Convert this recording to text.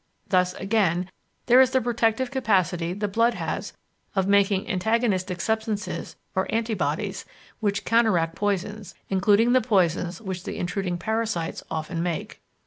Thus, again, there is the protective capacity the blood has of making antagonistic substances or "anti bodies" which counteract poisons, including the poisons which the intruding parasites often make.